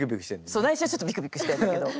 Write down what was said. そう内心はちょっとビクビクしてるんだけど。